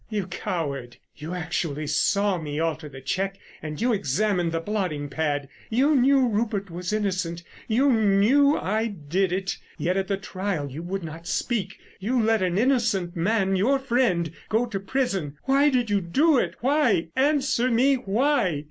"You coward! You actually saw me alter the cheque and you examined the blotting pad! You knew Rupert was innocent. You knew I did it. Yet, at the trial you would not speak. You let an innocent man, your friend, go to prison.... Why did you do it? Why, answer me? Why?"